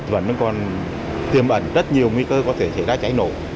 vẫn còn tiềm ẩn rất nhiều nguy cơ có thể xảy ra cháy nổ